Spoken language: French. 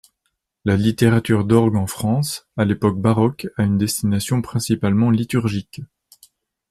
La littérature d'orgue en France à l'époque baroque a une destination principalement liturgique.